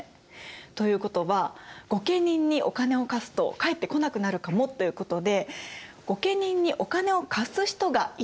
ということは御家人にお金を貸すと返ってこなくなるかもということで御家人にお金を貸す人がいなくなってしまいます。